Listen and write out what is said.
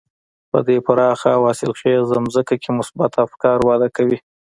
په دې پراخه او حاصلخېزه ځمکه کې مثبت افکار وده کوي.